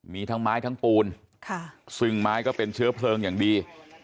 มีทั้งไม้ทั้งปูนซึ่งไม้ก็เป็นเชื้อเพลิงอย่างดี